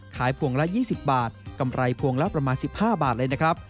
พวงละ๒๐บาทกำไรพวงละประมาณ๑๕บาทเลยนะครับ